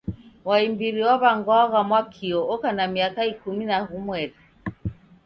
Wa imbiri waw'angwagha Mwakio oka na miaka ikumi na ghumweri.